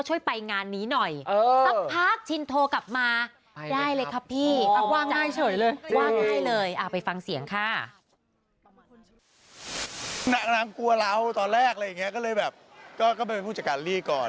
นางกลัวเราตอนแรกอะไรอย่างนี้ก็เลยแบบก็ไปเป็นผู้จัดการลี่ก่อน